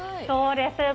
そうです。